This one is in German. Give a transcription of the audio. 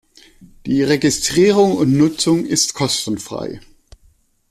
Die Registrierung und Nutzung ist kostenfrei.